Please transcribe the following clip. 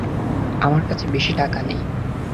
আমার কাছে বেশি টাকা নেই।